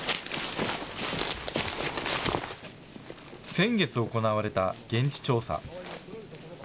先月行われた現地調査。